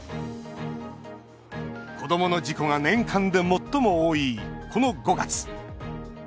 子どもの事故が年間で最も多いこの５月。